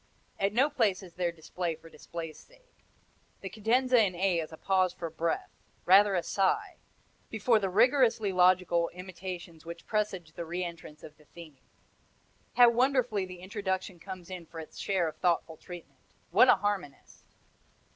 At no place is there display for display's sake. The cadenza in A is a pause for breath, rather a sigh, before the rigorously logical imitations which presage the re entrance of the theme. How wonderfully the introduction comes in for its share of thoughtful treatment. What a harmonist!